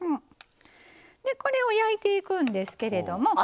これを焼いていくんですけれども。